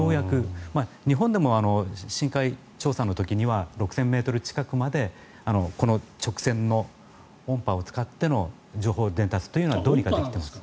日本でも深海調査の時には６０００ｍ近くまでこの直線の音波を使っての情報伝達というのはどうにかできています。